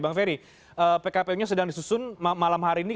bang ferry pkpu nya sedang disusun malam hari ini